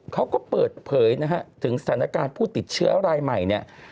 เขาก็เปิดเผยถึงสถานการณ์ผู้ติดเชื้ออะไรใหม่